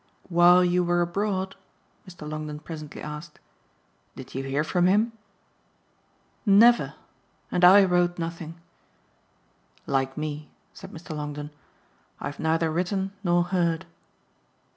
"While you were abroad," Mr. Longdon presently asked, "did you hear from him?" "Never. And I wrote nothing." "Like me," said Mr. Longdon. "I've neither written nor heard."